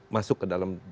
masuk ke dalam